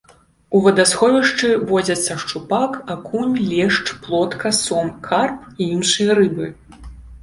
У вадасховішчы водзяцца шчупак, акунь, лешч, плотка, сом, карп і іншыя рыбы.